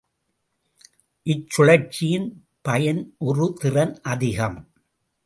இச்சுழற்சியின் பயனுறுதிறன் அதிகம்.